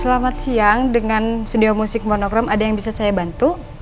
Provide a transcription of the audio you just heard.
selamat siang dengan studio musik monogram ada yang bisa saya bantu